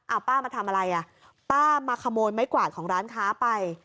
เอาป้ามาทำอะไรอ่ะป้ามาขโมยไม้กวาดของร้านค้าไป